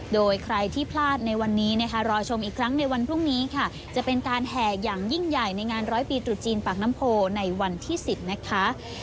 โดยใครที่พลาดในวันนี้นะคะรอชมอีกครั้งในวันพรุ่งนี้ค่ะจะเป็นการแห่อย่างยิ่งใหญ่ในงานร้อยปีตรุษจีนปากน้ำโพในวันที่๑๐นะคะ